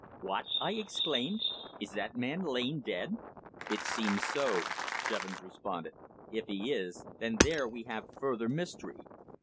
"What!" I exclaimed. "Is that man Lane dead?" "It seems so," Jevons responded. "If he is, then there we have further mystery."